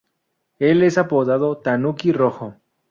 Él es apodado Tanuki Rojo.